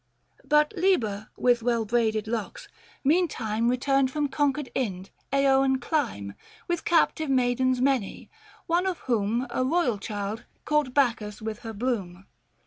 " But Liber, with well braided locks, meantime 505 Beturned from conquered Ind, Eoan clime, BookIIL THE FASTI. 85 With captive maidens many ; one of whom, A royal child, caught Bacchus with her bloom.